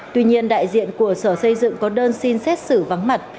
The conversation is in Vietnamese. tuy nhiên đại diện của sở xây dựng có đơn xin xét xử vắng mặt